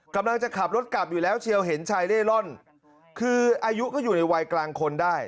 กำลังจะขับรถกลับอยู่แล้วเชียวเห็นชายเร่ร่อนคืออายุก็อยู่ในวัยกลางคนได้